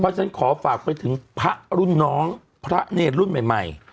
เพราะฉะนั้นขอฝากไปถึงพระรุ่นน้องพระเนรรุ่นใหม่